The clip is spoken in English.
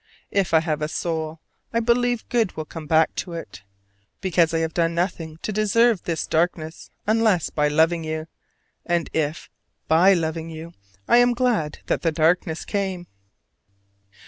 If I have a soul, I believe good will come back to it: because I have done nothing to deserve this darkness unless by loving you: and if by loving you, I am glad that the darkness came.